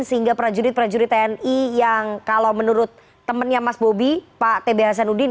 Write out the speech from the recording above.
sehingga prajurit prajurit tni yang kalau menurut temennya mas bobi pak t b hasanuddin